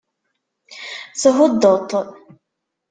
Thuddeḍ-t.